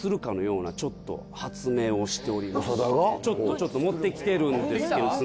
ちょっと持ってきてるんですけど。